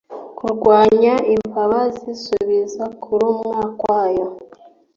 kurwanya imbabazi, subiza kurumwa kwayo